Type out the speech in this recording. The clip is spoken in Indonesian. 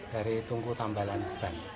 dari tungku tambalan ban